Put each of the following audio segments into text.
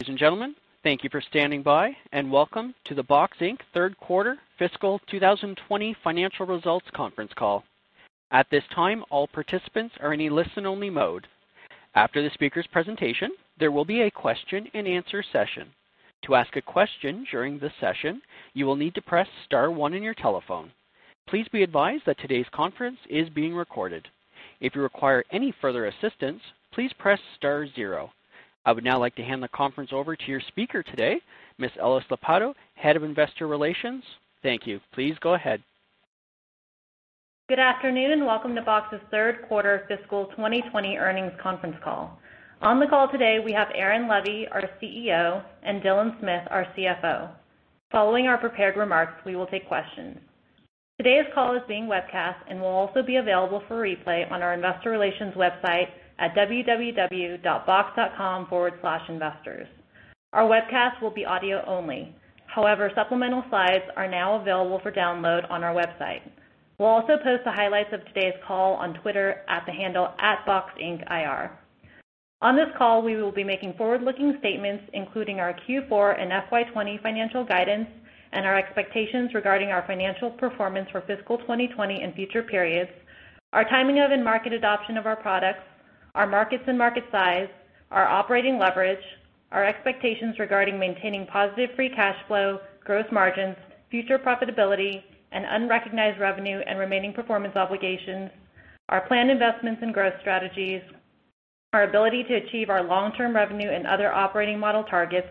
Ladies and gentlemen, thank you for standing by, welcome to the Box, Inc. third quarter fiscal 2020 financial results conference call. At this time, all participants are in a listen-only mode. After the speaker's presentation, there will be a question and answer session. To ask a question during the session, you will need to press star one on your telephone. Please be advised that today's conference is being recorded. If you require any further assistance, please press star zero. I would now like to hand the conference over to your speaker today, Ms. Alice Lopatto, Head of Investor Relations. Thank you. Please go ahead. Good afternoon. Welcome to Box's third quarter fiscal 2020 earnings conference call. On the call today, we have Aaron Levie, our CEO, and Dylan Smith, our CFO. Following our prepared remarks, we will take questions. Today's call is being webcast and will also be available for replay on our investor relations website at www.box.com/investors. Our webcast will be audio only. Supplemental slides are now available for download on our website. We'll also post the highlights of today's call on Twitter at the handle @boxincIR. On this call, we will be making forward-looking statements, including our Q4 and FY 2020 financial guidance and our expectations regarding our financial performance for fiscal 2020 and future periods, our timing of and market adoption of our products, our markets and market size, our operating leverage, our expectations regarding maintaining positive free cash flow, gross margins, future profitability, and unrecognized revenue and remaining performance obligations, our planned investments and growth strategies, our ability to achieve our long-term revenue and other operating model targets,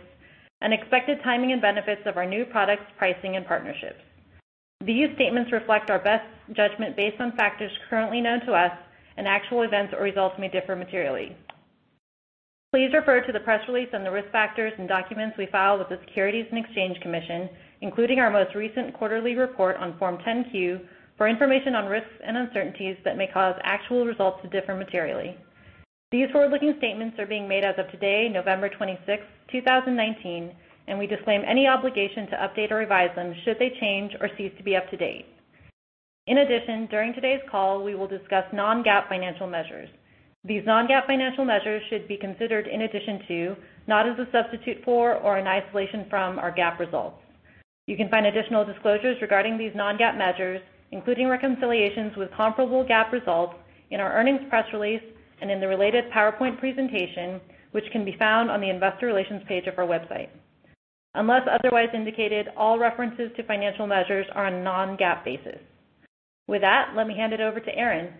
and expected timing and benefits of our new products, pricing, and partnerships. These statements reflect our best judgment based on factors currently known to us, and actual events or results may differ materially. Please refer to the press release and the risk factors and documents we file with the Securities and Exchange Commission, including our most recent quarterly report on Form 10-Q, for information on risks and uncertainties that may cause actual results to differ materially. These forward-looking statements are being made as of today, November 26, 2019. We disclaim any obligation to update or revise them should they change or cease to be up to date. In addition, during today's call, we will discuss non-GAAP financial measures. These non-GAAP financial measures should be considered in addition to, not as a substitute for or an isolation from, our GAAP results. You can find additional disclosures regarding these non-GAAP measures, including reconciliations with comparable GAAP results in our earnings press release and in the related PowerPoint presentation, which can be found on the investor relations page of our website. Unless otherwise indicated, all references to financial measures are on non-GAAP basis. With that, let me hand it over to Aaron.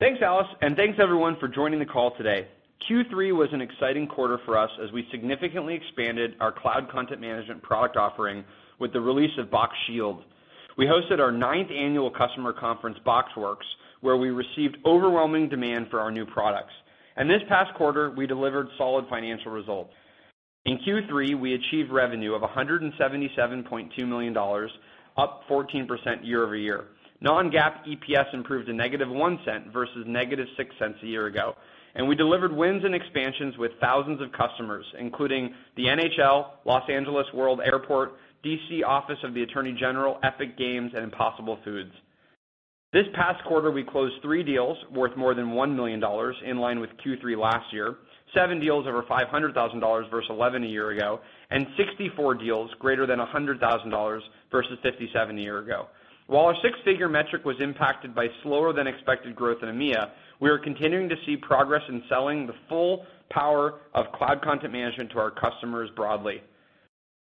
Thanks, Alice. Thanks everyone for joining the call today. Q3 was an exciting quarter for us as we significantly expanded our cloud content management product offering with the release of Box Shield. We hosted our ninth annual customer conference, BoxWorks, where we received overwhelming demand for our new products. This past quarter, we delivered solid financial results. In Q3, we achieved revenue of $177.2 million, up 14% year-over-year. Non-GAAP EPS improved to -$0.01 versus -$0.06 a year ago. We delivered wins and expansions with thousands of customers, including the NHL, Los Angeles World Airports, D.C. Office of the Attorney General, Epic Games, and Impossible Foods. This past quarter, we closed three deals worth more than $1 million, in line with Q3 last year, seven deals over $500,000 versus 11 a year ago, and 64 deals greater than $100,000 versus 57 a year ago. While our six-figure metric was impacted by slower than expected growth in EMEA, we are continuing to see progress in selling the full power of cloud content management to our customers broadly.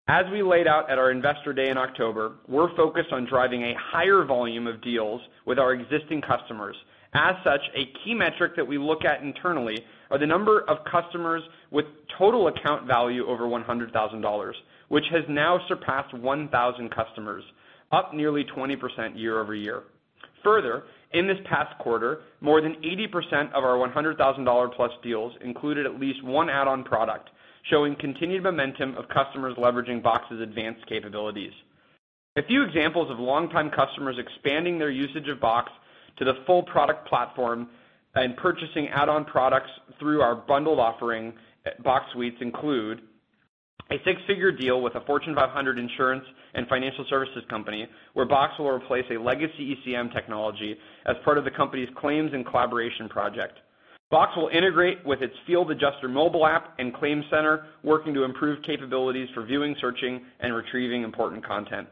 As we laid out at our Investor Day in October, we're focused on driving a higher volume of deals with our existing customers. As such, a key metric that we look at internally are the number of customers with total account value over $100,000, which has now surpassed 1,000 customers, up nearly 20% year-over-year. Further, in this past quarter, more than 80% of our $100,000-plus deals included at least one add-on product, showing continued momentum of customers leveraging Box's advanced capabilities. A few examples of longtime customers expanding their usage of Box to the full product platform and purchasing add-on products through our bundled offering, Box Suites include, a six-figure deal with a Fortune 500 insurance and financial services company, where Box will replace a legacy ECM technology as part of the company's claims and collaboration project. Box will integrate with its field adjuster mobile app and claim center, working to improve capabilities for viewing, searching, and retrieving important content.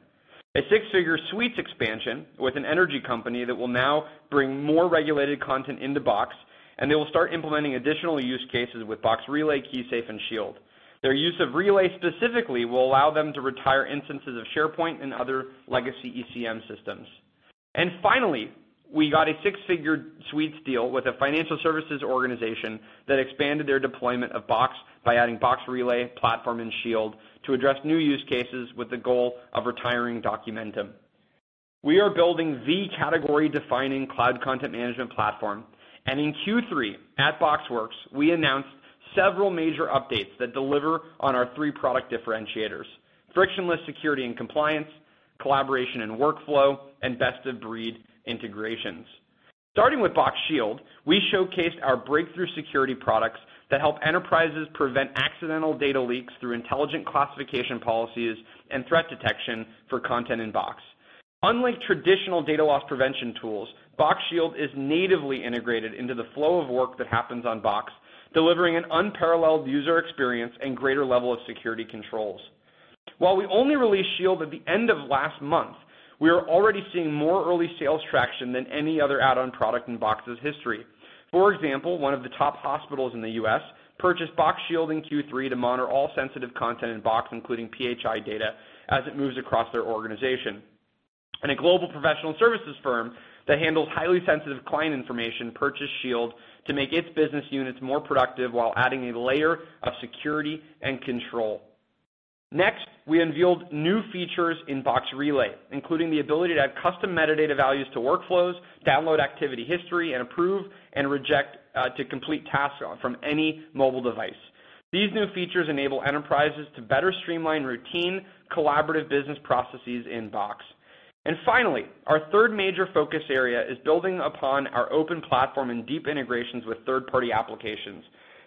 A six-figure Suites expansion with an energy company that will now bring more regulated content into Box, and they will start implementing additional use cases with Box Relay, KeySafe and Shield. Their use of Relay specifically will allow them to retire instances of SharePoint and other legacy ECM systems. Finally, we got a six-figure Suites deal with a financial services organization that expanded their deployment of Box by adding Box Relay, Platform, and Shield to address new use cases with the goal of retiring Documentum. We are building the category-defining cloud content management platform, and in Q3, at BoxWorks, we announced several major updates that deliver on our three product differentiators, frictionless security and compliance, collaboration and workflow, and best-of-breed integrations. Starting with Box Shield, we showcased our breakthrough security products that help enterprises prevent accidental data leaks through intelligent classification policies and threat detection for content in Box. Unlike traditional data loss prevention tools, Box Shield is natively integrated into the flow of work that happens on Box, delivering an unparalleled user experience and greater level of security controls. While we only released Shield at the end of last month, we are already seeing more early sales traction than any other add-on product in Box's history. For example, one of the top hospitals in the U.S. purchased Box Shield in Q3 to monitor all sensitive content in Box, including PHI data, as it moves across their organization. A global professional services firm that handles highly sensitive client information purchased Shield to make its business units more productive while adding a layer of security and control. Next, we unveiled new features in Box Relay, including the ability to add custom metadata values to workflows, download activity history, and approve and reject to complete tasks from any mobile device. These new features enable enterprises to better streamline routine collaborative business processes in Box. Finally, our third major focus area is building upon our open platform and deep integrations with third-party applications.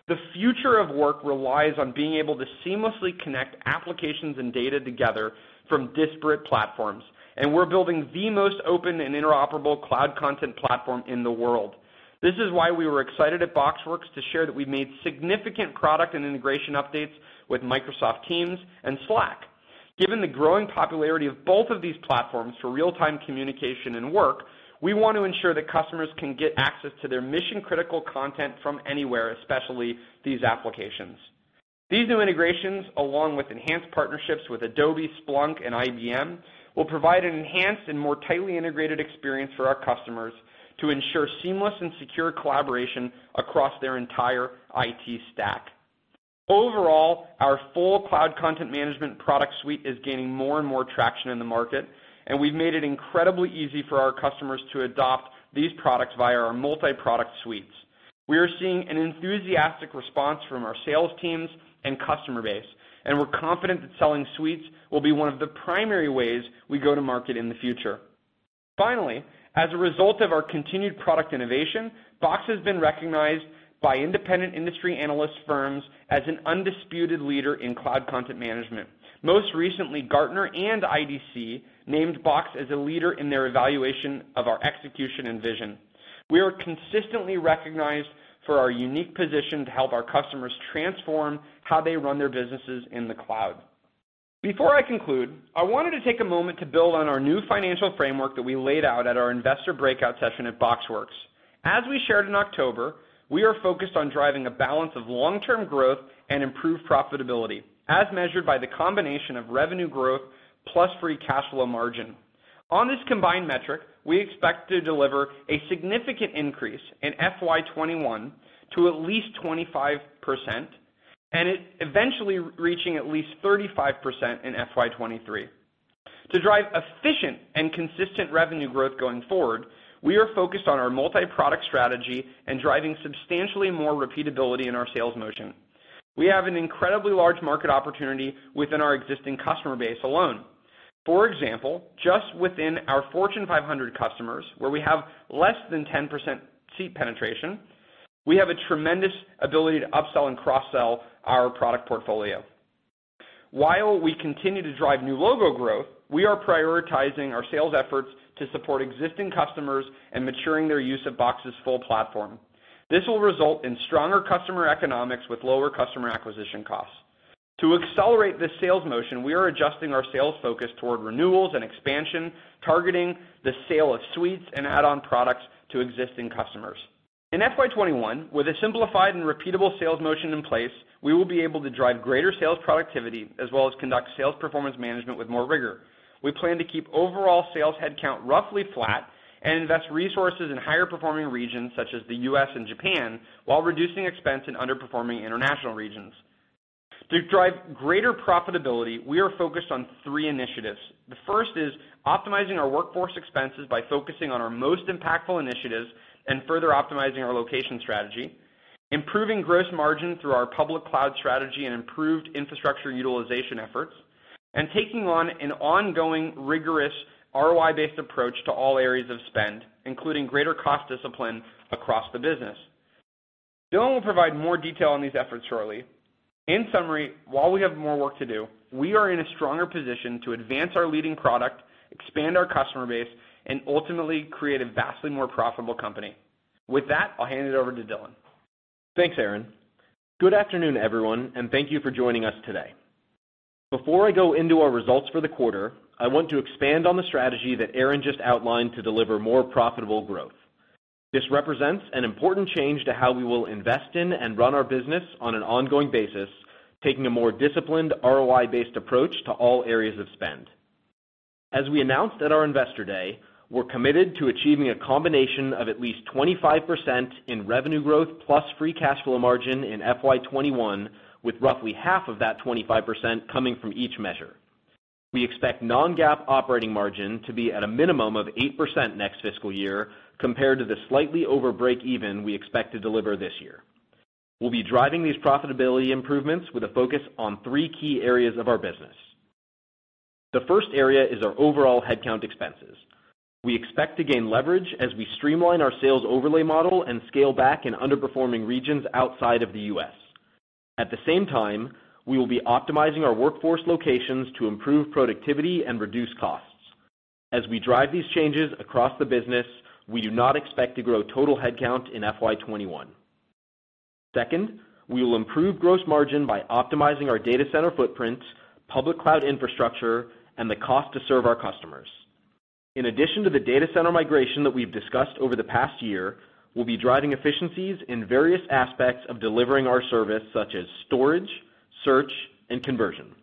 The future of work relies on being able to seamlessly connect applications and data together from disparate platforms, and we're building the most open and interoperable cloud content platform in the world. This is why we were excited at BoxWorks to share that we've made significant product and integration updates with Microsoft Teams and Slack. Given the growing popularity of both of these platforms for real-time communication and work, we want to ensure that customers can get access to their mission-critical content from anywhere, especially these applications. These new integrations, along with enhanced partnerships with Adobe, Splunk, and IBM, will provide an enhanced and more tightly integrated experience for our customers to ensure seamless and secure collaboration across their entire IT stack. Overall, our full cloud content management product suite is gaining more and more traction in the market, and we've made it incredibly easy for our customers to adopt these products via our multi-product Suites. We are seeing an enthusiastic response from our sales teams and customer base, and we're confident that selling Suites will be one of the primary ways we go to market in the future. Finally, as a result of our continued product innovation, Box has been recognized by independent industry analyst firms as an undisputed leader in cloud content management. Most recently, Gartner and IDC named Box as a leader in their evaluation of our execution and vision. We are consistently recognized for our unique position to help our customers transform how they run their businesses in the cloud. Before I conclude, I wanted to take a moment to build on our new financial framework that we laid out at our investor breakout session at BoxWorks. As we shared in October, we are focused on driving a balance of long-term growth and improved profitability, as measured by the combination of revenue growth plus free cash flow margin. On this combined metric, we expect to deliver a significant increase in FY 2021 to at least 25%, and it eventually reaching at least 35% in FY 2023. To drive efficient and consistent revenue growth going forward, we are focused on our multi-product strategy and driving substantially more repeatability in our sales motion. We have an incredibly large market opportunity within our existing customer base alone. For example, just within our Fortune 500 customers, where we have less than 10% seat penetration, we have a tremendous ability to upsell and cross-sell our product portfolio. While we continue to drive new logo growth, we are prioritizing our sales efforts to support existing customers and maturing their use of Box's full platform. This will result in stronger customer economics with lower customer acquisition costs. To accelerate this sales motion, we are adjusting our sales focus toward renewals and expansion, targeting the sale of Suites and add-on products to existing customers. In FY 2021, with a simplified and repeatable sales motion in place, we will be able to drive greater sales productivity as well as conduct sales performance management with more rigor. We plan to keep overall sales headcount roughly flat and invest resources in higher-performing regions such as the U.S. and Japan, while reducing expense in underperforming international regions. To drive greater profitability, we are focused on three initiatives. The first is optimizing our workforce expenses by focusing on our most impactful initiatives and further optimizing our location strategy. Improving gross margin through our public cloud strategy and improved infrastructure utilization efforts, and taking on an ongoing, rigorous ROI-based approach to all areas of spend, including greater cost discipline across the business. Dylan will provide more detail on these efforts shortly. In summary, while we have more work to do, we are in a stronger position to advance our leading product, expand our customer base, and ultimately create a vastly more profitable company. With that, I'll hand it over to Dylan. Thanks, Aaron. Good afternoon, everyone, and thank you for joining us today. Before I go into our results for the quarter, I want to expand on the strategy that Aaron just outlined to deliver more profitable growth. This represents an important change to how we will invest in and run our business on an ongoing basis, taking a more disciplined ROI-based approach to all areas of spend. As we announced at our Investor Day, we're committed to achieving a combination of at least 25% in revenue growth plus free cash flow margin in FY 2021, with roughly half of that 25% coming from each measure. We expect non-GAAP operating margin to be at a minimum of 8% next fiscal year, compared to the slightly over break even we expect to deliver this year. We'll be driving these profitability improvements with a focus on three key areas of our business. The first area is our overall headcount expenses. We expect to gain leverage as we streamline our sales overlay model and scale back in underperforming regions outside of the U.S. At the same time, we will be optimizing our workforce locations to improve productivity and reduce costs. As we drive these changes across the business, we do not expect to grow total headcount in FY '21. Second, we will improve gross margin by optimizing our data center footprint, public cloud infrastructure, and the cost to serve our customers. In addition to the data center migration that we've discussed over the past year, we'll be driving efficiencies in various aspects of delivering our service, such as storage, search, and conversion.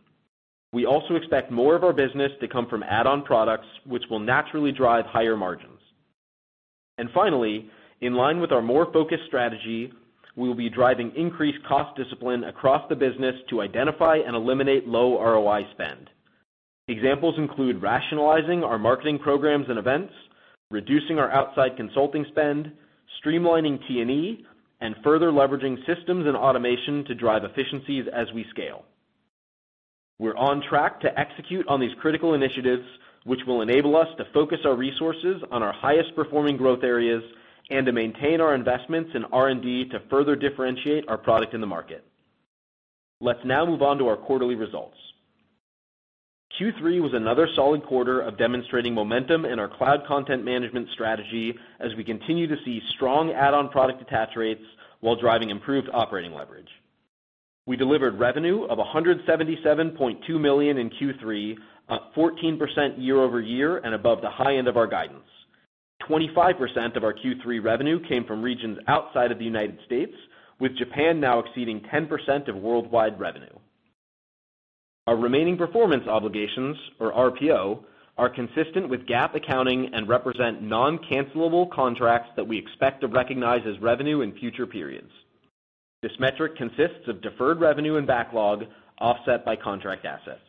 We also expect more of our business to come from add-on products, which will naturally drive higher margins. Finally, in line with our more focused strategy, we will be driving increased cost discipline across the business to identify and eliminate low ROI spend. Examples include rationalizing our marketing programs and events, reducing our outside consulting spend, streamlining T&E, and further leveraging systems and automation to drive efficiencies as we scale. We're on track to execute on these critical initiatives, which will enable us to focus our resources on our highest-performing growth areas and to maintain our investments in R&D to further differentiate our product in the market. Let's now move on to our quarterly results. Q3 was another solid quarter of demonstrating momentum in our cloud content management strategy as we continue to see strong add-on product attach rates while driving improved operating leverage. We delivered revenue of $177.2 million in Q3, up 14% year-over-year and above the high end of our guidance. 25% of our Q3 revenue came from regions outside of the United States, with Japan now exceeding 10% of worldwide revenue. Our remaining performance obligations, or RPO, are consistent with GAAP accounting and represent non-cancellable contracts that we expect to recognize as revenue in future periods. This metric consists of deferred revenue and backlog offset by contract assets.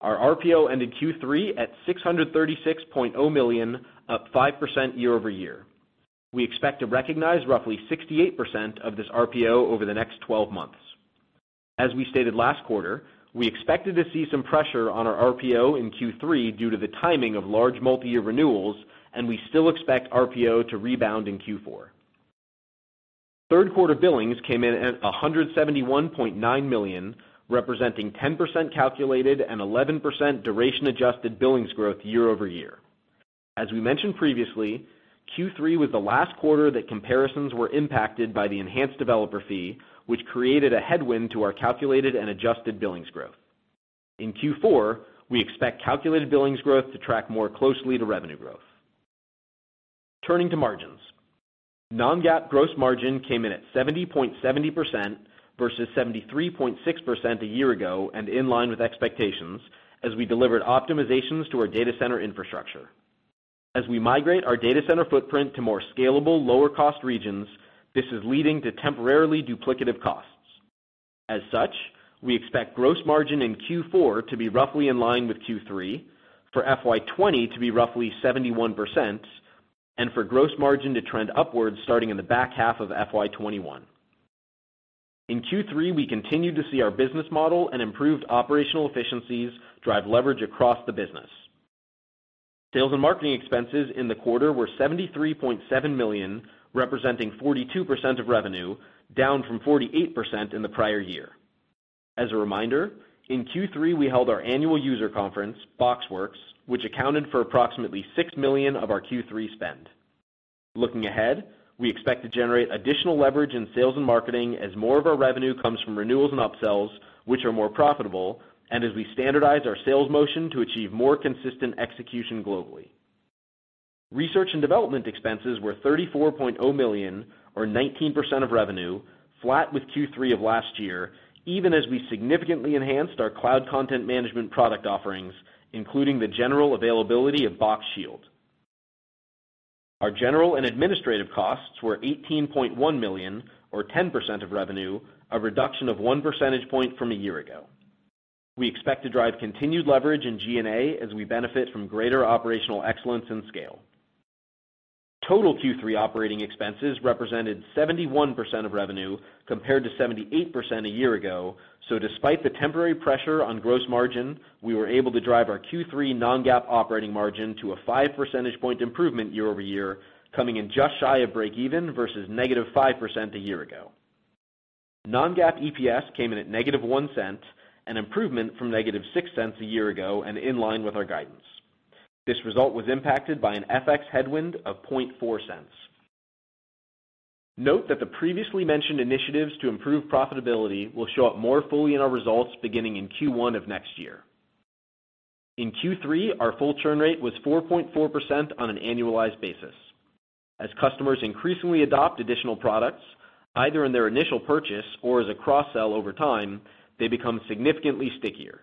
Our RPO ended Q3 at $636.0 million, up 5% year-over-year. We expect to recognize roughly 68% of this RPO over the next 12 months. As we stated last quarter, we expected to see some pressure on our RPO in Q3 due to the timing of large multi-year renewals, and we still expect RPO to rebound in Q4. Third quarter billings came in at $171.9 million, representing 10% calculated and 11% duration-adjusted billings growth year-over-year. As we mentioned previously, Q3 was the last quarter that comparisons were impacted by the enhanced developer fee, which created a headwind to our calculated and adjusted billings growth. In Q4, we expect calculated billings growth to track more closely to revenue growth. Turning to margins. Non-GAAP gross margin came in at 70.70% versus 73.6% a year ago and in line with expectations as we delivered optimizations to our data center infrastructure. As we migrate our data center footprint to more scalable, lower-cost regions, this is leading to temporarily duplicative costs. As such, we expect gross margin in Q4 to be roughly in line with Q3, for FY 2020 to be roughly 71%, and for gross margin to trend upwards starting in the back half of FY 2021. In Q3, we continued to see our business model and improved operational efficiencies drive leverage across the business. Sales and marketing expenses in the quarter were $73.7 million, representing 42% of revenue, down from 48% in the prior year. As a reminder, in Q3, we held our annual user conference, BoxWorks, which accounted for approximately $6 million of our Q3 spend. Looking ahead, we expect to generate additional leverage in sales and marketing as more of our revenue comes from renewals and upsells, which are more profitable, and as we standardize our sales motion to achieve more consistent execution globally. Research and development expenses were $34.0 million or 19% of revenue, flat with Q3 of last year, even as we significantly enhanced our cloud content management product offerings, including the general availability of Box Shield. Our general and administrative costs were $18.1 million or 10% of revenue, a reduction of one percentage point from a year ago. We expect to drive continued leverage in G&A as we benefit from greater operational excellence and scale. Total Q3 operating expenses represented 71% of revenue, compared to 78% a year ago. Despite the temporary pressure on gross margin, we were able to drive our Q3 non-GAAP operating margin to a five percentage point improvement year-over-year, coming in just shy of break even versus negative 5% a year ago. Non-GAAP EPS came in at negative $0.01, an improvement from negative $0.06 a year ago and in line with our guidance. This result was impacted by an FX headwind of $0.004. Note that the previously mentioned initiatives to improve profitability will show up more fully in our results beginning in Q1 of next year. In Q3, our full churn rate was 4.4% on an annualized basis. As customers increasingly adopt additional products, either in their initial purchase or as a cross-sell over time, they become significantly stickier.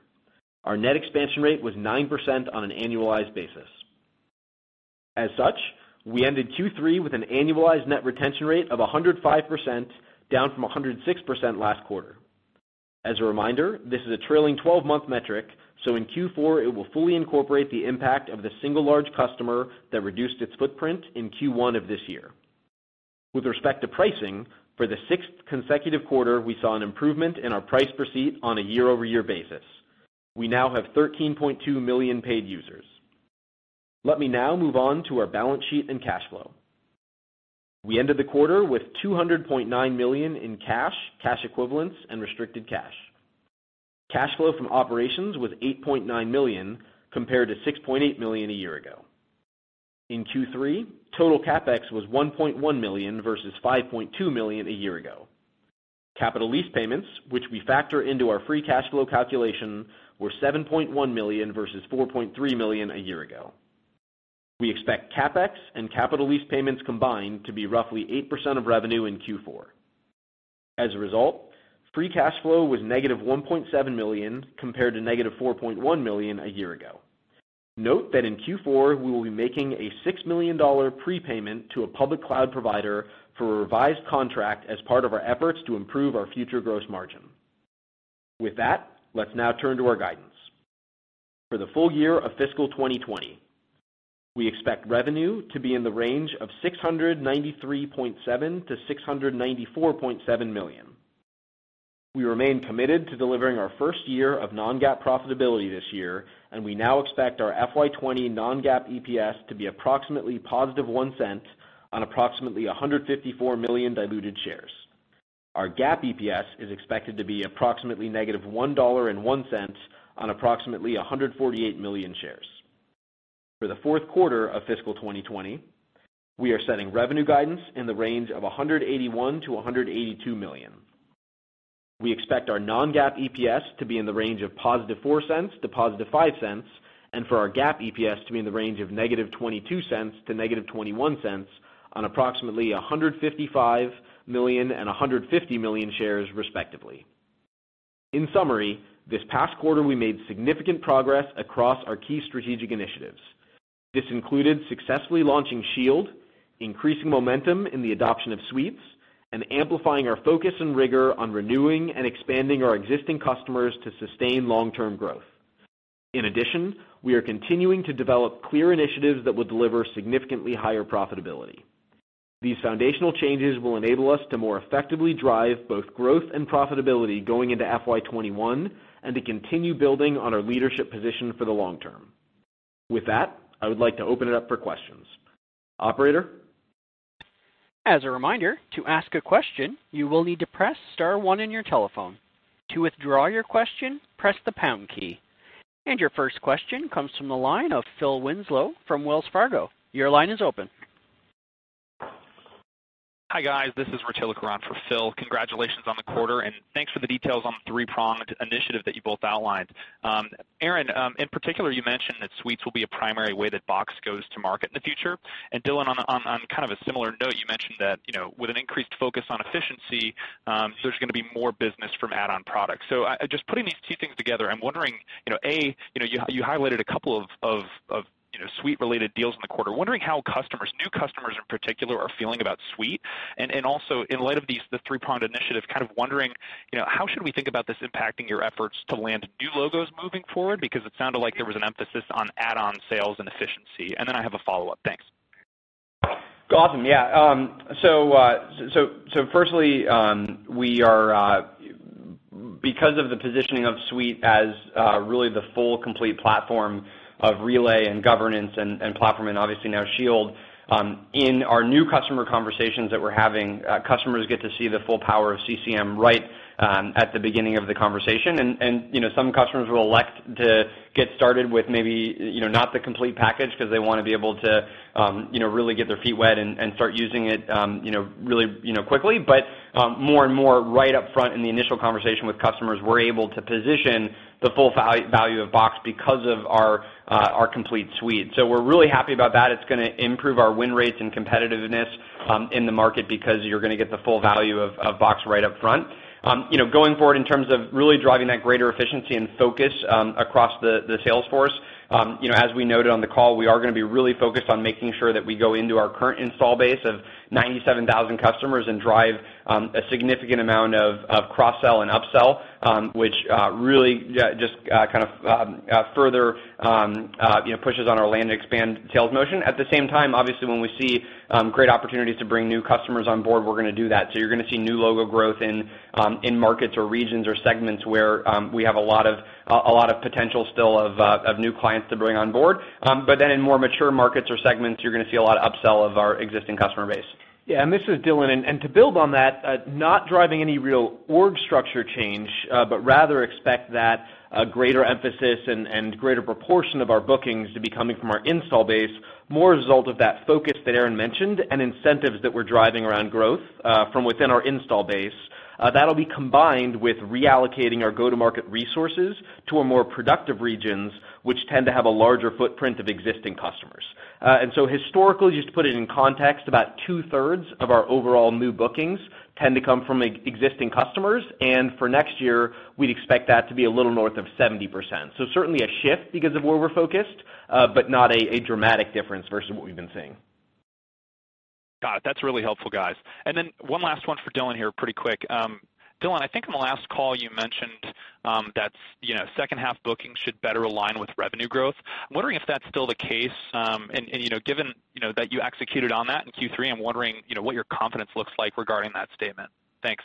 Our net expansion rate was 9% on an annualized basis. We ended Q3 with an annualized net retention rate of 105%, down from 106% last quarter. As a reminder, this is a trailing 12-month metric, so in Q4, it will fully incorporate the impact of the single large customer that reduced its footprint in Q1 of this year. With respect to pricing, for the sixth consecutive quarter, we saw an improvement in our price per seat on a year-over-year basis. We now have 13.2 million paid users. Let me now move on to our balance sheet and cash flow. We ended the quarter with $200.9 million in cash equivalents, and restricted cash. Cash flow from operations was $8.9 million, compared to $6.8 million a year ago. In Q3, total CapEx was $1.1 million versus $5.2 million a year ago. Capital lease payments, which we factor into our free cash flow calculation, were $7.1 million versus $4.3 million a year ago. We expect CapEx and capital lease payments combined to be roughly 8% of revenue in Q4. As a result, free cash flow was -$1.7 million, compared to -$4.1 million a year ago. Note that in Q4, we will be making a $6 million prepayment to a public cloud provider for a revised contract as part of our efforts to improve our future gross margin. With that, let's now turn to our guidance. For the full year of fiscal 2020, we expect revenue to be in the range of $693.7 million to $694.7 million. We remain committed to delivering our first year of non-GAAP profitability this year, and we now expect our FY 2020 non-GAAP EPS to be approximately $0.01 on approximately 154 million diluted shares. Our GAAP EPS is expected to be approximately -$1.01 on approximately 148 million shares. For the fourth quarter of fiscal 2020, we are setting revenue guidance in the range of $181 million-$182 million. We expect our non-GAAP EPS to be in the range of $0.04-$0.05, and for our GAAP EPS to be in the range of -$0.22 to -$0.21 on approximately 155 million and 150 million shares, respectively. In summary, this past quarter we made significant progress across our key strategic initiatives. This included successfully launching Box Shield, increasing momentum in the adoption of Box Suites, and amplifying our focus and rigor on renewing and expanding our existing customers to sustain long-term growth. We are continuing to develop clear initiatives that will deliver significantly higher profitability. These foundational changes will enable us to more effectively drive both growth and profitability going into FY 2021, to continue building on our leadership position for the long term. With that, I would like to open it up for questions. Operator? As a reminder, to ask a question, you will need to press *1 on your telephone. To withdraw your question, press the # key. Your first question comes from the line of Phil Winslow from Wells Fargo. Your line is open. Hi, guys. This is Ratil Karand for Phil. Congratulations on the quarter, and thanks for the details on the three-pronged initiative that you both outlined. Aaron, in particular, you mentioned that Suites will be a primary way that Box goes to market in the future. Dylan, on kind of a similar note, you mentioned that with an increased focus on efficiency, there's going to be more business from add-on products. Just putting these two things together, I'm wondering, A, you highlighted a couple of Suite-related deals in the quarter. I'm wondering how new customers, in particular, are feeling about Suite, and also in light of the three-pronged initiative, kind of wondering, how should we think about this impacting your efforts to land new logos moving forward? Because it sounded like there was an emphasis on add-on sales and efficiency. Then I have a follow-up. Thanks. Awesome. Yeah. Firstly, because of the positioning of Suites as really the full, complete Platform of Relay and governance and Platform, and obviously now Shield, in our new customer conversations that we're having, customers get to see the full power of CCM right at the beginning of the conversation. Some customers will elect to get started with maybe not the complete package, because they want to be able to really get their feet wet and start using it really quickly. More and more, right up front in the initial conversation with customers, we're able to position the full value of Box because of our complete Suites. We're really happy about that. It's going to improve our win rates and competitiveness in the market, because you're going to get the full value of Box right up front. Going forward, in terms of really driving that greater efficiency and focus across the sales force, as we noted on the call, we are going to be really focused on making sure that we go into our current install base of 97,000 customers and drive a significant amount of cross-sell and up-sell, which really just kind of further pushes on our land expand sales motion. At the same time, obviously, when we see great opportunities to bring new customers on board, we're going to do that. You're going to see new logo growth in markets or regions or segments where we have a lot of potential still of new clients to bring on board. In more mature markets or segments, you're going to see a lot of up-sell of our existing customer base. Yeah, this is Dylan. To build on that, not driving any real org structure change, but rather expect that a greater emphasis and greater proportion of our bookings to be coming from our install base, more a result of that focus that Aaron mentioned and incentives that we're driving around growth from within our install base. That'll be combined with reallocating our go-to-market resources to our more productive regions, which tend to have a larger footprint of existing customers. Historically, just to put it in context, about two-thirds of our overall new bookings tend to come from existing customers. For next year, we'd expect that to be a little north of 70%. Certainly a shift because of where we're focused, but not a dramatic difference versus what we've been seeing. Got it. That's really helpful, guys. One last one for Dylan here, pretty quick. Dylan, I think on the last call you mentioned that second half bookings should better align with revenue growth. I'm wondering if that's still the case, and given that you executed on that in Q3, I'm wondering what your confidence looks like regarding that statement. Thanks.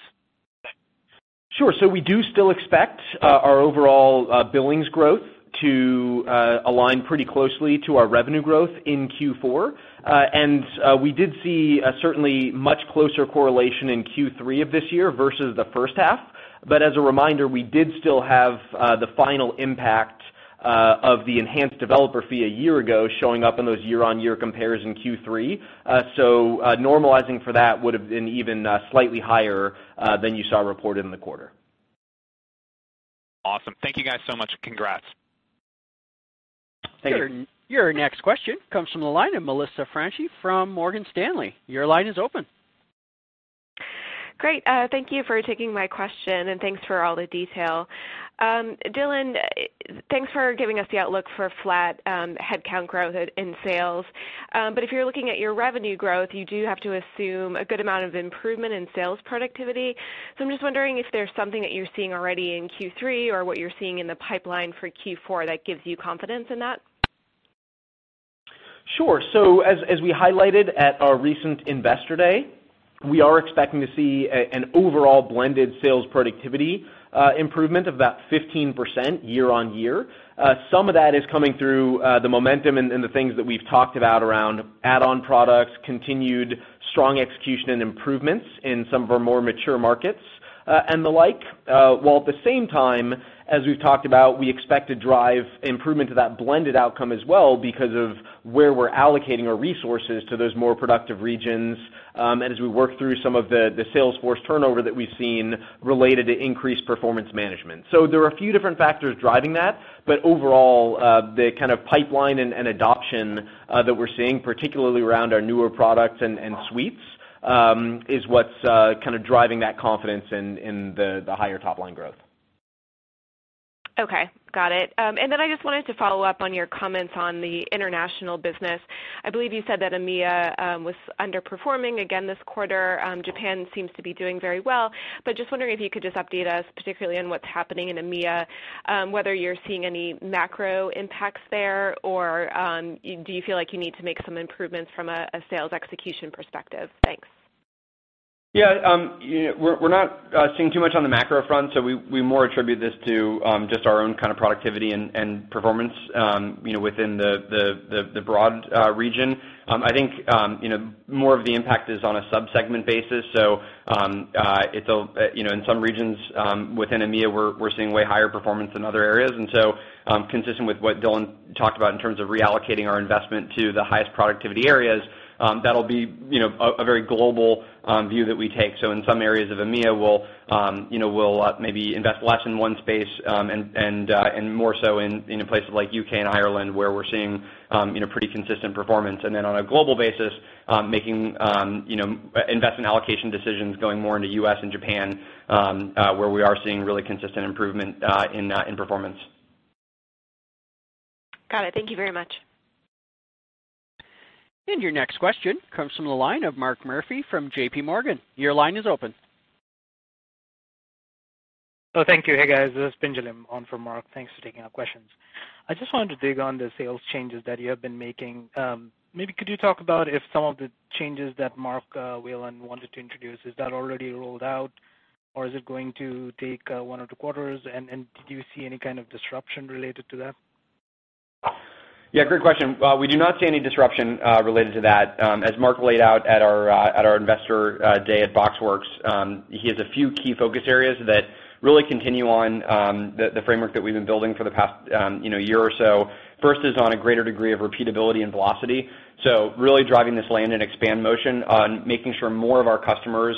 Sure. We do still expect our overall billings growth to align pretty closely to our revenue growth in Q4. We did see a certainly much closer correlation in Q3 of this year versus the first half. As a reminder, we did still have the final impact of the enhanced developer fee a year ago showing up in those year-on-year compares in Q3. Normalizing for that would've been even slightly higher than you saw reported in the quarter. Awesome. Thank you guys so much, and congrats. Thank you. Your next question comes from the line of Melissa Franchi from Morgan Stanley. Your line is open. Great. Thank you for taking my question, and thanks for all the detail. Dylan, thanks for giving us the outlook for flat headcount growth in sales. If you're looking at your revenue growth, you do have to assume a good amount of improvement in sales productivity. I'm just wondering if there's something that you're seeing already in Q3 or what you're seeing in the pipeline for Q4 that gives you confidence in that. Sure. As we highlighted at our recent Investor Day, we are expecting to see an overall blended sales productivity improvement of about 15% year-on-year. Some of that is coming through the momentum and the things that we've talked about around add-on products, continued strong execution, and improvements in some of our more mature markets, and the like. While at the same time, as we've talked about, we expect to drive improvement to that blended outcome as well because of where we're allocating our resources to those more productive regions, and as we work through some of the sales force turnover that we've seen related to increased performance management. There are a few different factors driving that. Overall, the kind of pipeline and adoption that we're seeing, particularly around our newer products and Suites, is what's kind of driving that confidence in the higher top-line growth. Okay. Got it. I just wanted to follow up on your comments on the international business. I believe you said that EMEA was underperforming again this quarter. Japan seems to be doing very well. Just wondering if you could just update us, particularly on what's happening in EMEA, whether you're seeing any macro impacts there, or do you feel like you need to make some improvements from a sales execution perspective? Thanks. Yeah. We're not seeing too much on the macro front, we more attribute this to just our own kind of productivity and performance within the broad region. I think more of the impact is on a sub-segment basis. In some regions within EMEA, we're seeing way higher performance than other areas. Consistent with what Dylan talked about in terms of reallocating our investment to the highest productivity areas, that'll be a very global view that we take. In some areas of EMEA, we'll maybe invest less in one space, and more so in places like UK and Ireland where we're seeing pretty consistent performance. On a global basis, making investment allocation decisions going more into U.S. and Japan, where we are seeing really consistent improvement in performance. Got it. Thank you very much. Your next question comes from the line of Mark Murphy from J.P. Morgan. Your line is open. Oh, thank you. Hey, guys. This is Pinjalim on for Mark. Thanks for taking our questions. I just wanted to dig on the sales changes that you have been making. Maybe could you talk about if some of the changes that Mark Wayland wanted to introduce, is that already rolled out, or is it going to take one or two quarters? Did you see any kind of disruption related to that? Great question. We do not see any disruption related to that. As Mark laid out at our investor day at BoxWorks, he has a few key focus areas that really continue on the framework that we've been building for the past year or so. First is on a greater degree of repeatability and velocity. Really driving this land and expand motion on making sure more of our customers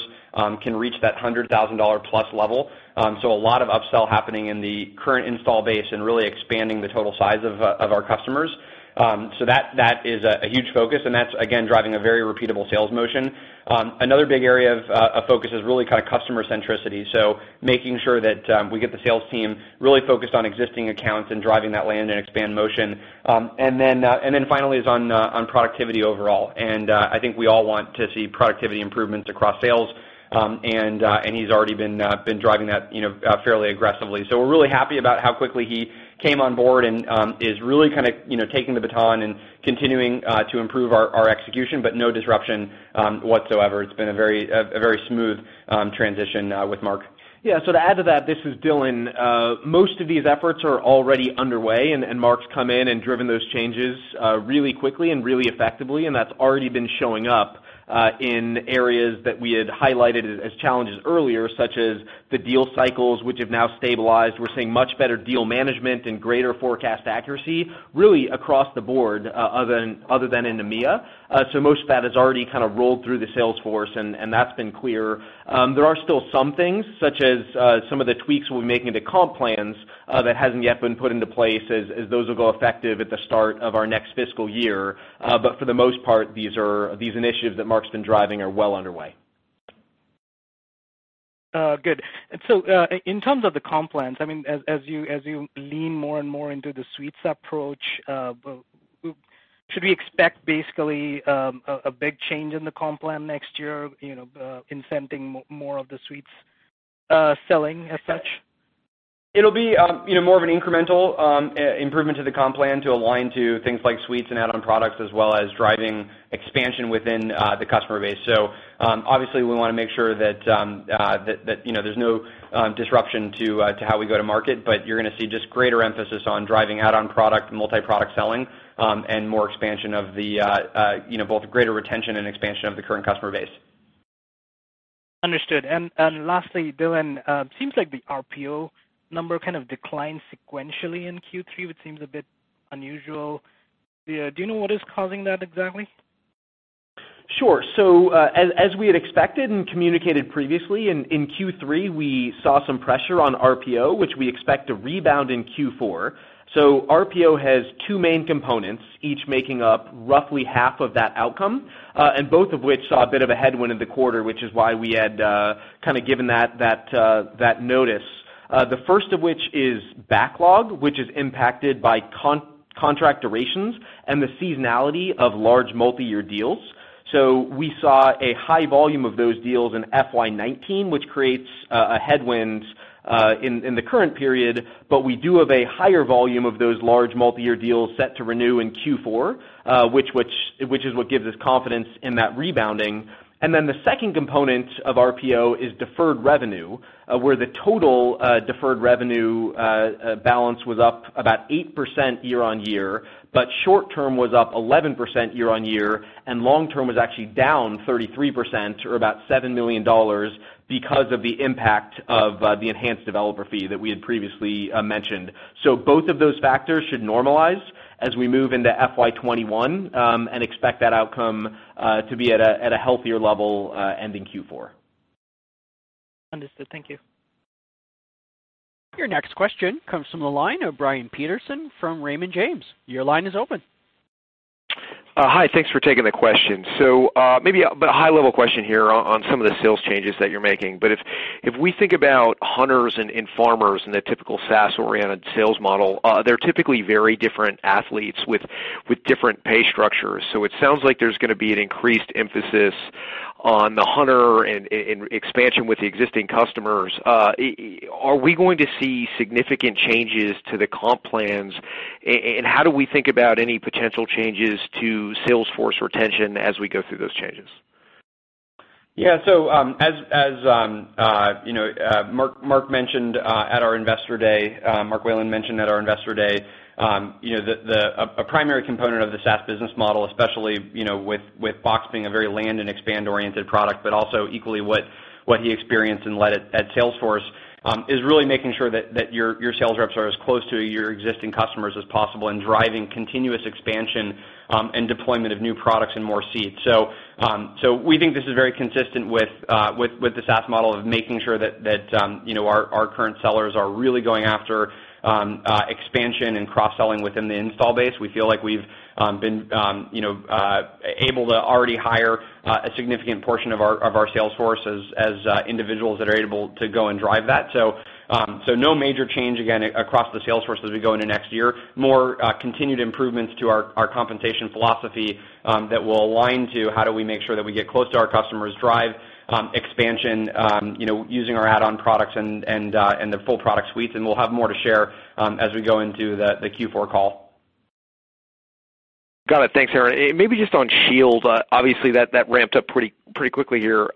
can reach that $100,000-plus level. A lot of upsell happening in the current install base and really expanding the total size of our customers. That is a huge focus, and that's, again, driving a very repeatable sales motion. Another big area of focus is really kind of customer centricity, so making sure that we get the sales team really focused on existing accounts and driving that land and expand motion. Finally is on productivity overall. I think we all want to see productivity improvements across sales. He's already been driving that fairly aggressively. We're really happy about how quickly he came on board and is really kind of taking the baton and continuing to improve our execution, but no disruption whatsoever. It's been a very smooth transition with Mark. To add to that, this is Dylan. Most of these efforts are already underway, and Mark's come in and driven those changes really quickly and really effectively, and that's already been showing up in areas that we had highlighted as challenges earlier, such as the deal cycles, which have now stabilized. We're seeing much better deal management and greater forecast accuracy, really across the board, other than in EMEA. Most of that has already kind of rolled through the sales force, and that's been clear. There are still some things, such as some of the tweaks we're making to comp plans, that hasn't yet been put into place, as those will go effective at the start of our next fiscal year. For the most part, these initiatives that Mark's been driving are well underway. Good. In terms of the comp plans, as you lean more and more into the Suites approach, should we expect basically a big change in the comp plan next year, incenting more of the Suites selling as such? It'll be more of an incremental improvement to the comp plan to align to things like Suites and add-on products, as well as driving expansion within the customer base. Obviously, we want to make sure that there's no disruption to how we go to market. You're going to see just greater emphasis on driving add-on product, multi-product selling, and both greater retention and expansion of the current customer base. Understood. Lastly, Dylan, seems like the RPO number kind of declined sequentially in Q3, which seems a bit unusual. Do you know what is causing that exactly? As we had expected and communicated previously, in Q3, we saw some pressure on RPO, which we expect to rebound in Q4. RPO has 2 main components, each making up roughly half of that outcome, and both of which saw a bit of a headwind in the quarter, which is why we had kind of given that notice. The first of which is backlog, which is impacted by contract durations and the seasonality of large multi-year deals. We saw a high volume of those deals in FY 2019, which creates a headwind in the current period. We do have a higher volume of those large multi-year deals set to renew in Q4, which is what gives us confidence in that rebounding. The second component of RPO is deferred revenue, where the total deferred revenue balance was up about 8% year-on-year, but short term was up 11% year-on-year, and long term was actually down 33%, or about $7 million, because of the impact of the enhanced developer fee that we had previously mentioned. Both of those factors should normalize as we move into FY 2021, and expect that outcome to be at a healthier level ending Q4. Understood. Thank you. Your next question comes from the line of Brian Peterson from Raymond James. Your line is open. Hi. Thanks for taking the question. Maybe a high level question here on some of the sales changes that you're making. If we think about hunters and farmers in the typical SaaS oriented sales model, they're typically very different athletes with different pay structures. It sounds like there's going to be an increased emphasis on the hunter and expansion with the existing customers. Are we going to see significant changes to the comp plans? How do we think about any potential changes to sales force retention as we go through those changes? So, as Mark Wayland mentioned at our investor day, a primary component of the SaaS business model, especially with Box being a very land and expand oriented product, but also equally what he experienced and led at Salesforce, is really making sure that your sales reps are as close to your existing customers as possible and driving continuous expansion and deployment of new products and more seats. We think this is very consistent with the SaaS model of making sure that our current sellers are really going after expansion and cross-selling within the install base. We feel like we've been able to already hire a significant portion of our sales force as individuals that are able to go and drive that. No major change, again, across the sales force as we go into next year. More continued improvements to our compensation philosophy that will align to how do we make sure that we get close to our customers, drive expansion using our add-on products and the full product Suites. We'll have more to share as we go into the Q4 call. Got it. Thanks, Aaron. Maybe just on Shield, obviously that ramped up pretty quickly here.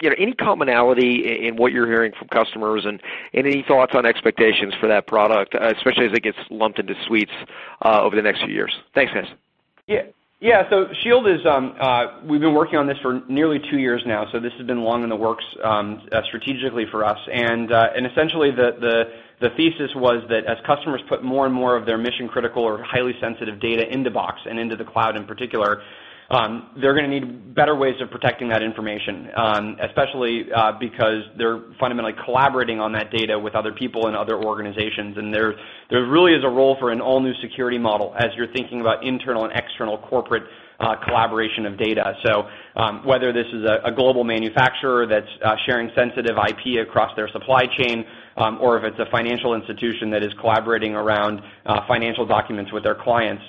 Any commonality in what you're hearing from customers and any thoughts on expectations for that product, especially as it gets lumped into Suites over the next few years? Thanks, guys. Yeah. Shield, we've been working on this for nearly two years now. This has been long in the works strategically for us. Essentially, the thesis was that as customers put more and more of their mission critical or highly sensitive data into Box and into the cloud in particular, they're going to need better ways of protecting that information, especially because they're fundamentally collaborating on that data with other people and other organizations. There really is a role for an all new security model as you're thinking about internal and external corporate collaboration of data. Whether this is a global manufacturer that's sharing sensitive IP across their supply chain, or if it's a financial institution that is collaborating around financial documents with their clients.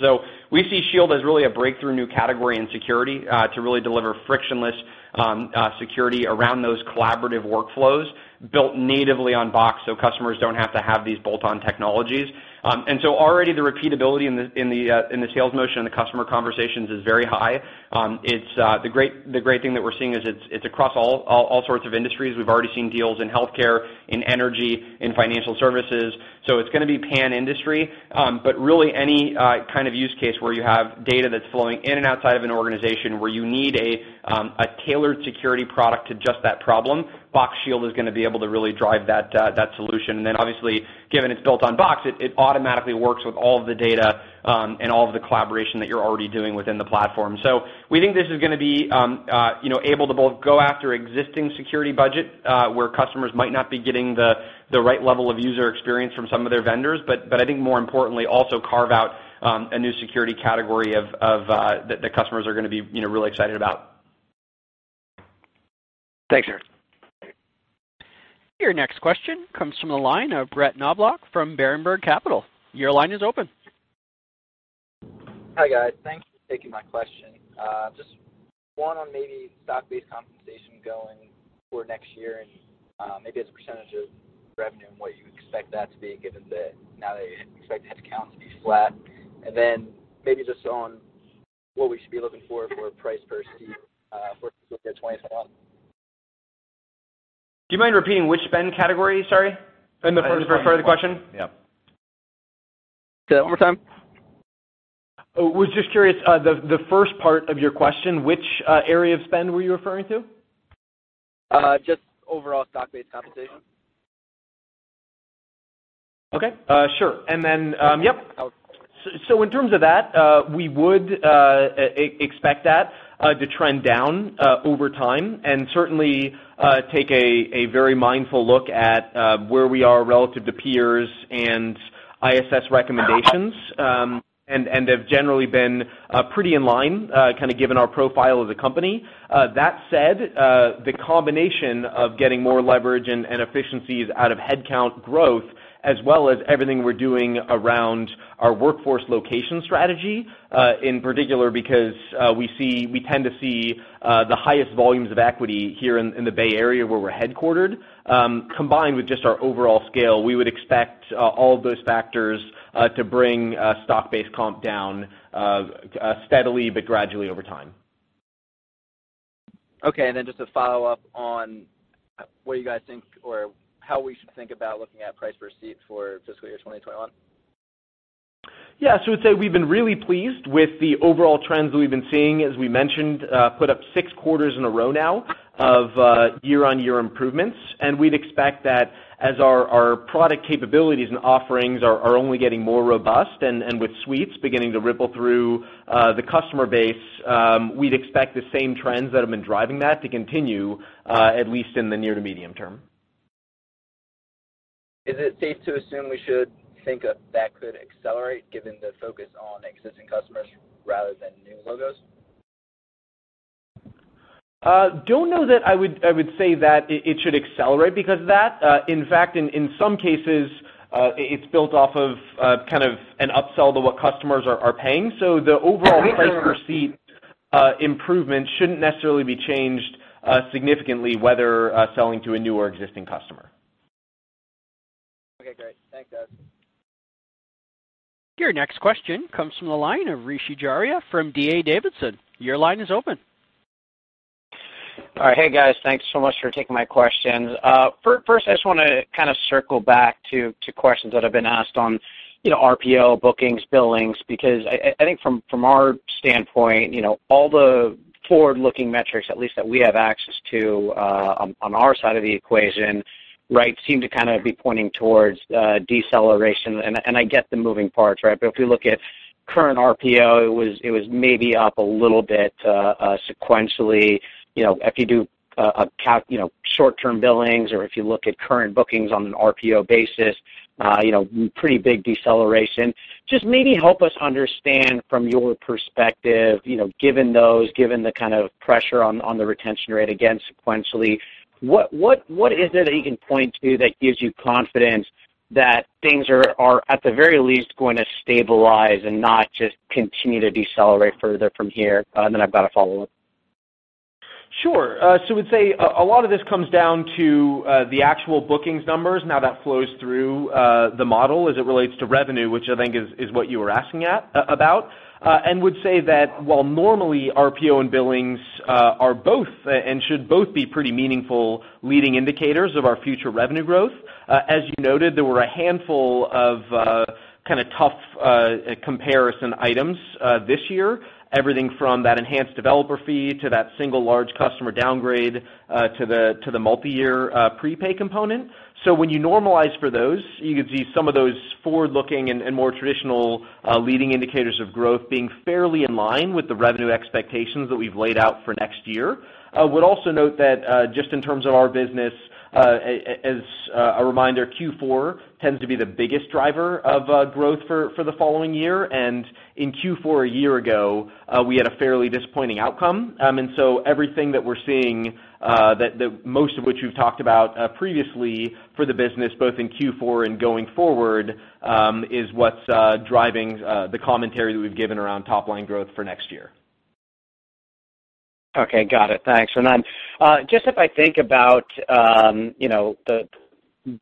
We see Shield as really a breakthrough new category in security to really deliver frictionless security around those collaborative workflows built natively on Box so customers don't have to have these bolt-on technologies. Already the repeatability in the sales motion and the customer conversations is very high. The great thing that we're seeing is it's across all sorts of industries. We've already seen deals in healthcare, in energy, in financial services. It's going to be pan-industry. Really any kind of use case where you have data that's flowing in and outside of an organization where you need a tailored security product to just that problem, Box Shield is going to be able to really drive that solution. Obviously, given it's built on Box, it automatically works with all of the data and all of the collaboration that you're already doing within the Platform. We think this is going to be able to both go after existing security budget, where customers might not be getting the right level of user experience from some of their vendors, but I think more importantly, also carve out a new security category that the customers are going to be really excited about. Thanks, Aaron. Your next question comes from the line of Brett Knoblauch from Berenberg Capital. Your line is open. Hi guys. Thanks for taking my question. Just one on maybe stock-based compensation going for next year and maybe as a % of revenue and what you expect that to be, given that now that you expect headcount to be flat. Maybe just on what we should be looking for price per seat for fiscal year 2021. Do you mind repeating which spend category? Sorry. In the first part of the question. Yeah. Say that one more time. Was just curious, the first part of your question, which area of spend were you referring to? Just overall stock-based compensation. Okay. Sure. Yep. In terms of that, we would expect that to trend down over time and certainly take a very mindful look at where we are relative to peers and ISS recommendations, and have generally been pretty in line, kind of given our profile as a company. That said, the combination of getting more leverage and efficiencies out of headcount growth as well as everything we're doing around our workforce location strategy, in particular because we tend to see the highest volumes of equity here in the Bay Area where we're headquartered, combined with just our overall scale, we would expect all of those factors to bring stock-based comp down steadily but gradually over time. Just to follow up on what you guys think or how we should think about looking at price per seat for fiscal year 2021? Yeah, we'd say we've been really pleased with the overall trends that we've been seeing. As we mentioned, put up six quarters in a row now of year-on-year improvements, and we'd expect that as our product capabilities and offerings are only getting more robust, and with Suites beginning to ripple through the customer base, we'd expect the same trends that have been driving that to continue, at least in the near to medium term. Is it safe to assume we should think that could accelerate, given the focus on existing customers rather than new logos? Don't know that I would say that it should accelerate because of that. In fact, in some cases, it's built off of kind of an upsell to what customers are paying. The overall price per seat improvement shouldn't necessarily be changed significantly whether selling to a new or existing customer. Okay, great. Thanks, guys. Your next question comes from the line of Rishi Jaluria from D.A. Davidson. Your line is open. All right. Hey, guys. Thanks so much for taking my questions. First I just want to kind of circle back to questions that have been asked on RPO, bookings, billings, because I think from our standpoint, all the forward-looking metrics, at least that we have access to on our side of the equation seem to kind of be pointing towards deceleration, and I get the moving parts. If you look at current RPO, it was maybe up a little bit sequentially. If you do short-term billings or if you look at current bookings on an RPO basis, pretty big deceleration. Just maybe help us understand from your perspective, given the kind of pressure on the retention rate, again, sequentially, what is it that you can point to that gives you confidence that things are at the very least going to stabilize and not just continue to decelerate further from here? I've got a follow-up. Sure. Would say a lot of this comes down to the actual bookings numbers, now that flows through the model as it relates to revenue, which I think is what you were asking about. Would say that while normally RPO and billings are both, and should both be pretty meaningful leading indicators of our future revenue growth. As you noted, there were a handful of kind of tough comparison items this year, everything from that enhanced developer fee to that single large customer downgrade to the multi-year prepay component. When you normalize for those, you can see some of those forward-looking and more traditional leading indicators of growth being fairly in line with the revenue expectations that we've laid out for next year. Also note that, just in terms of our business, as a reminder, Q4 tends to be the biggest driver of growth for the following year. In Q4 a year ago, we had a fairly disappointing outcome. Everything that we're seeing, most of which we've talked about previously for the business, both in Q4 and going forward, is what's driving the commentary that we've given around top-line growth for next year. Okay. Got it. Thanks. Then just if I think about the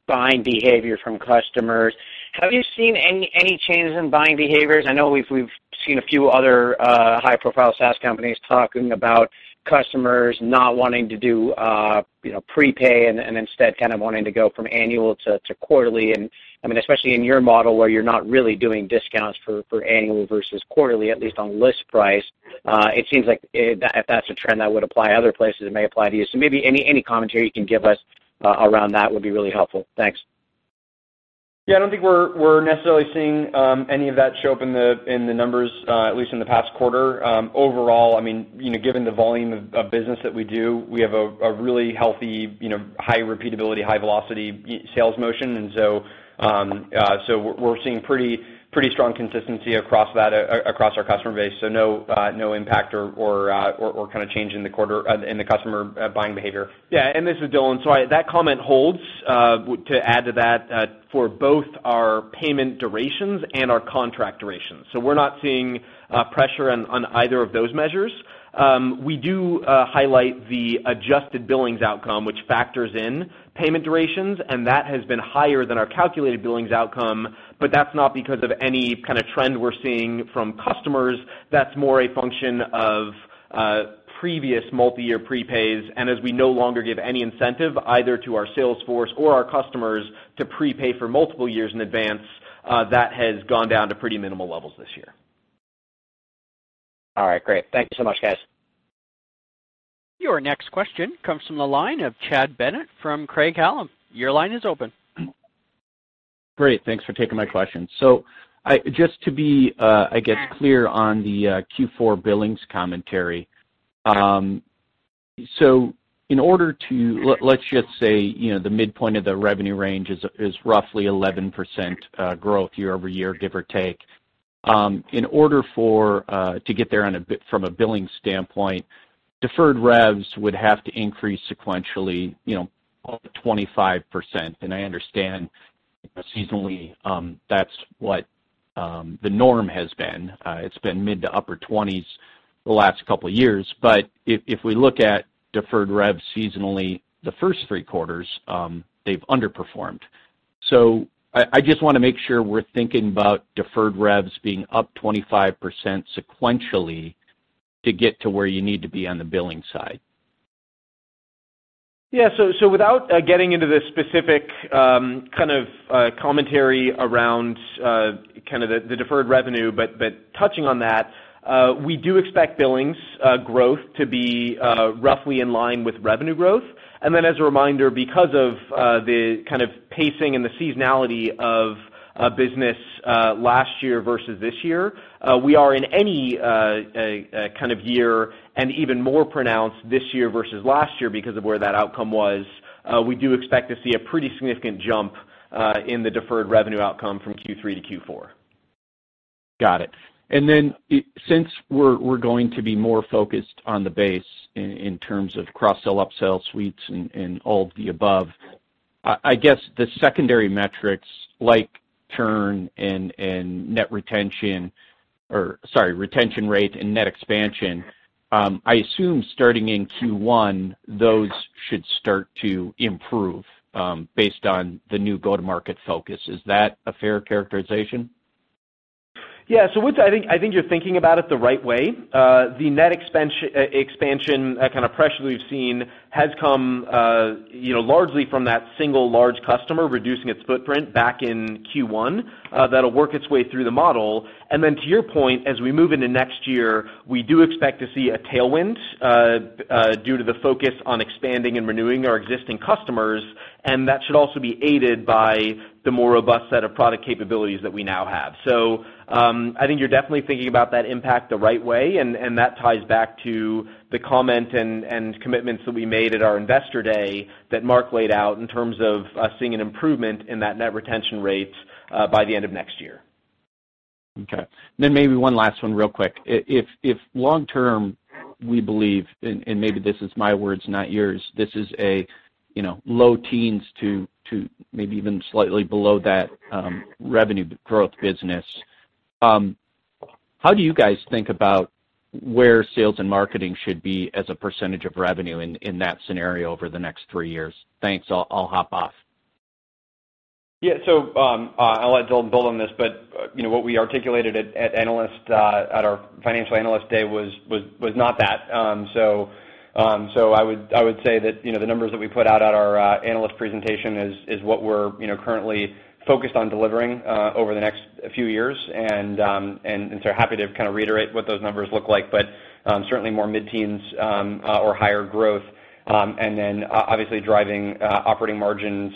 buying behavior from customers, have you seen any changes in buying behaviors? I know we've seen a few other high-profile SaaS companies talking about customers not wanting to do prepay and instead kind of wanting to go from annual to quarterly. I mean, especially in your model where you're not really doing discounts for annual versus quarterly, at least on list price, it seems like if that's a trend that would apply other places, it may apply to you. Maybe any commentary you can give us around that would be really helpful. Thanks. I don't think we're necessarily seeing any of that show up in the numbers, at least in the past quarter. Overall, given the volume of business that we do, we have a really healthy high repeatability, high velocity sales motion, and so we're seeing pretty strong consistency across our customer base. No impact or kind of change in the customer buying behavior. This is Dylan. That comment holds, to add to that, for both our payment durations and our contract durations. We're not seeing pressure on either of those measures. We do highlight the adjusted billings outcome, which factors in payment durations, and that has been higher than our calculated billings outcome, but that's not because of any kind of trend we're seeing from customers. That's more a function of previous multiyear prepays. As we no longer give any incentive either to our sales force or our customers to prepay for multiple years in advance, that has gone down to pretty minimal levels this year. All right, great. Thank you so much, guys. Your next question comes from the line of Chad Bennett from Craig-Hallum. Your line is open. Great. Thanks for taking my question. Just to be, I guess, clear on the Q4 billings commentary. Let's just say, the midpoint of the revenue range is roughly 11% growth year-over-year, give or take. In order to get there from a billing standpoint, deferred revs would have to increase sequentially, up to 25%. I understand seasonally, that's what the norm has been. It's been mid-to-upper 20s the last couple of years. If we look at deferred rev seasonally, the first three quarters, they've underperformed. I just want to make sure we're thinking about deferred revs being up 25% sequentially to get to where you need to be on the billing side. Yeah. Without getting into the specific kind of commentary around the deferred revenue, but touching on that, we do expect billings growth to be roughly in line with revenue growth. As a reminder, because of the kind of pacing and the seasonality of business last year versus this year, we are in any kind of year and even more pronounced this year versus last year because of where that outcome was, we do expect to see a pretty significant jump in the deferred revenue outcome from Q3 to Q4. Got it. Since we're going to be more focused on the base in terms of cross-sell, up-sell Suites and all of the above, I guess the secondary metrics like churn and net retention or, sorry, retention rate and net expansion, I assume starting in Q1, those should start to improve, based on the new go-to-market focus. Is that a fair characterization? Yeah. I think you're thinking about it the right way. The net expansion kind of pressure we've seen has come largely from that single large customer reducing its footprint back in Q1. That'll work its way through the model. To your point, as we move into next year, we do expect to see a tailwind due to the focus on expanding and renewing our existing customers, and that should also be aided by the more robust set of product capabilities that we now have. I think you're definitely thinking about that impact the right way, and that ties back to the comment and commitments that we made at our investor day that Mark laid out in terms of us seeing an improvement in that net retention rate by the end of next year. Okay. Maybe one last one real quick. If long term, we believe, and maybe this is my words, not yours, this is a low teens to maybe even slightly below that revenue growth business. How do you guys think about where sales and marketing should be as a % of revenue in that scenario over the next 3 years? Thanks. I'll hop off. Yeah. I'll let Dylan build on this, but what I articulated at our Financial Analyst Day was not that. I would say that the numbers that we put out at our analyst presentation is what we're currently focused on delivering over the next few years. Happy to kind of reiterate what those numbers look like, but certainly more mid-teens or higher growth. Obviously driving operating margins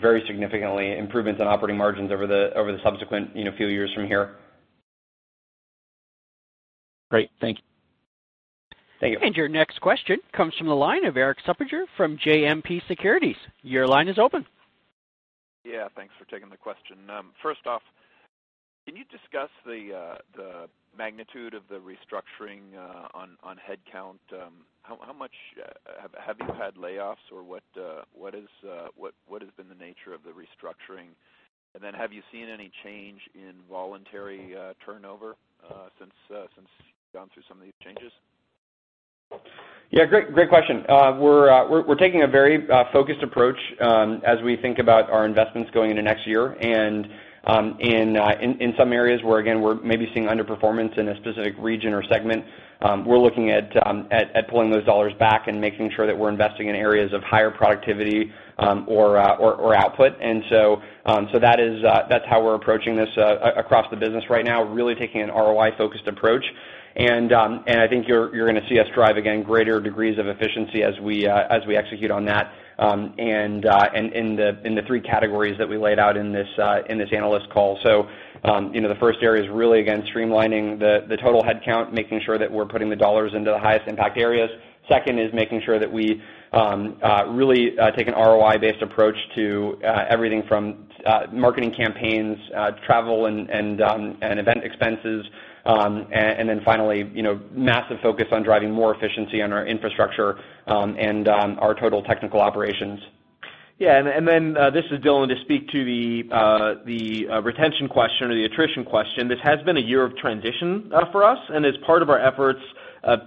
very significantly, improvements in operating margins over the subsequent few years from here. Great. Thank you. Thank you. Your next question comes from the line of Erik Suppiger from JMP Securities. Your line is open. Yeah, thanks for taking the question. First off, can you discuss the magnitude of the restructuring on headcount? Have you had layoffs or what has been the nature of the restructuring? Have you seen any change in voluntary turnover since you've gone through some of these changes? Yeah, great question. We're taking a very focused approach as we think about our investments going into next year. In some areas where again, we're maybe seeing underperformance in a specific region or segment, we're looking at pulling those dollars back and making sure that we're investing in areas of higher productivity or output. That's how we're approaching this across the business right now, really taking an ROI-focused approach. I think you're going to see us drive, again, greater degrees of efficiency as we execute on that in the three categories that we laid out in this analyst call. The first area is really, again, streamlining the total headcount, making sure that we're putting the dollars into the highest impact areas. Second is making sure that we really take an ROI-based approach to everything from marketing campaigns, travel, and event expenses. Finally, massive focus on driving more efficiency on our infrastructure, and our total technical operations. Yeah. This is Dylan. To speak to the retention question or the attrition question, this has been a year of transition for us, and as part of our efforts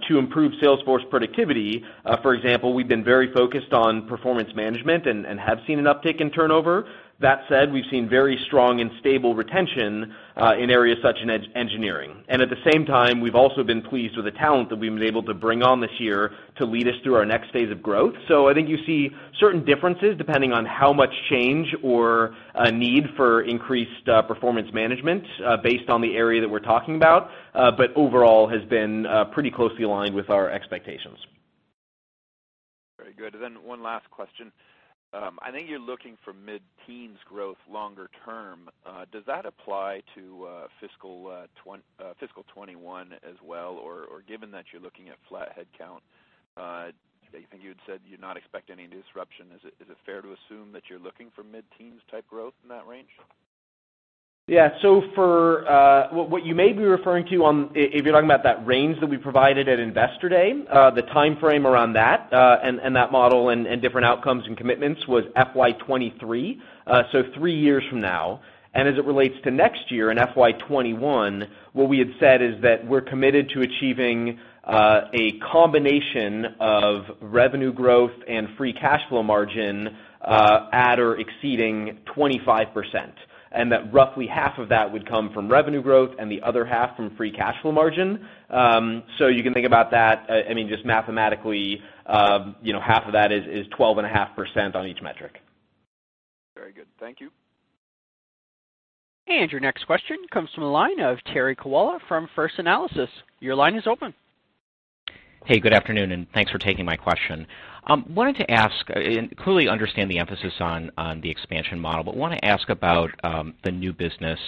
to improve Salesforce productivity, for example, we've been very focused on performance management and have seen an uptick in turnover. That said, we've seen very strong and stable retention in areas such as engineering. At the same time, we've also been pleased with the talent that we've been able to bring on this year to lead us through our next phase of growth. I think you see certain differences depending on how much change or need for increased performance management, based on the area that we're talking about. Overall, has been pretty closely aligned with our expectations. Very good. One last question? Does that apply to fiscal 2021 as well? Or given that you're looking at flat head count, I think you had said you'd not expect any disruption, is it fair to assume that you're looking for mid-teens type growth in that range? Yeah. What you may be referring to, if you're talking about that range that we provided at Investor Day, the timeframe around that, and that model and different outcomes and commitments was FY 2023, so three years from now. As it relates to next year, in FY 2021, what we had said is that we're committed to achieving a combination of revenue growth and free cash flow margin at or exceeding 25%. That roughly half of that would come from revenue growth and the other half from free cash flow margin. You can think about that, just mathematically, half of that is 12.5% on each metric. Very good. Thank you. Hey, your next question comes from the line of Terry Kiwala from First Analysis. Your line is open. Hey, good afternoon, and thanks for taking my question. Clearly understand the emphasis on the expansion model, but want to ask about the new business.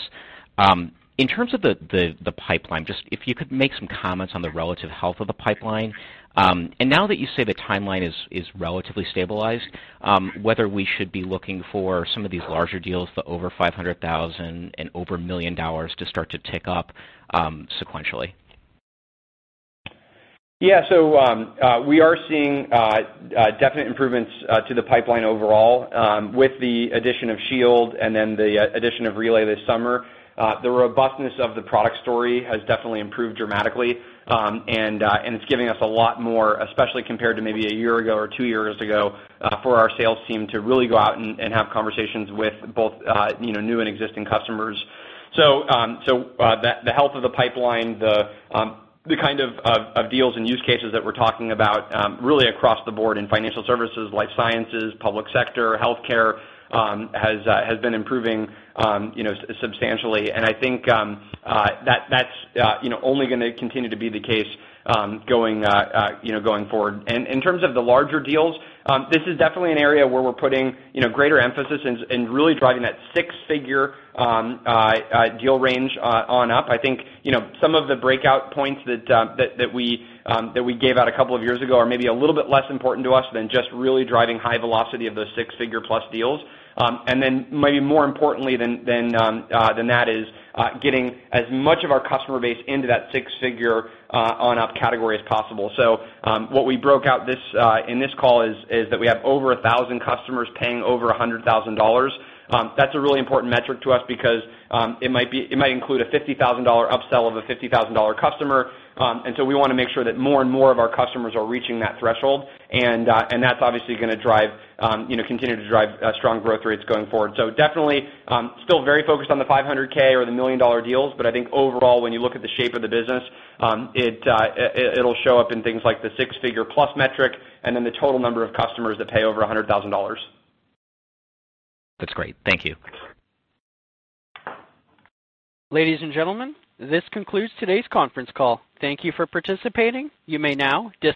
In terms of the pipeline, just if you could make some comments on the relative health of the pipeline. Now that you say the timeline is relatively stabilized, whether we should be looking for some of these larger deals, the over $500,000 and over $1 million to start to tick up sequentially. We are seeing definite improvements to the pipeline overall, with the addition of Shield and then the addition of Relay this summer. The robustness of the product story has definitely improved dramatically, it's giving us a lot more, especially compared to maybe a year ago or two years ago, for our sales team to really go out and have conversations with both new and existing customers. The health of the pipeline, the kind of deals and use cases that we're talking about, really across the board in financial services, life sciences, public sector, healthcare, has been improving substantially. I think that's only going to continue to be the case going forward. In terms of the larger deals, this is definitely an area where we're putting greater emphasis in really driving that six-figure deal range on up. I think some of the breakout points that we gave out a couple of years ago are maybe a little bit less important to us than just really driving high velocity of those six-figure plus deals. Maybe more importantly than that is getting as much of our customer base into that six-figure on up category as possible. What we broke out in this call is that we have over 1,000 customers paying over $100,000. That's a really important metric to us because it might include a $50,000 upsell of a $50,000 customer, we want to make sure that more and more of our customers are reaching that threshold. That's obviously going to continue to drive strong growth rates going forward. Definitely, still very focused on the $500,000 or the $1 million-dollar deals, but I think overall, when you look at the shape of the business, it'll show up in things like the six-figure plus metric and then the total number of customers that pay over $100,000. That's great. Thank you. Ladies and gentlemen, this concludes today's conference call. Thank you for participating. You may now disconnect.